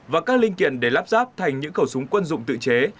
và các linh kiện để lắp ráp thành những khẩu súng quân dụng tự chế